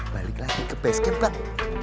balik lagi ke base camp bang